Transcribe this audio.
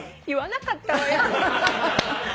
言わなかったわよ。